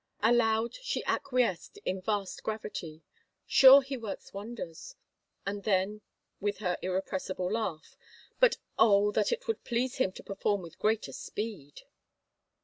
Aloud she acquiesced, in vast gravity, " Sure He works wonders," and then, with her irrepressible laugh, " but oh, that it would please Him to perform with greater speed."